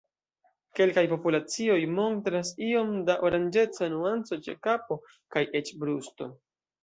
Kelkaj populacioj montras iom da oranĝeca nuanco ĉe kapo kaj eĉ brusto.